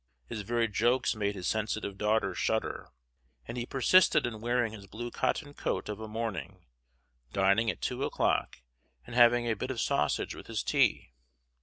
His very jokes made his sensitive daughters shudder, and he persisted in wearing his blue cotton coat of a morning, dining at two o'clock, and having a "bit of sausage with his tea."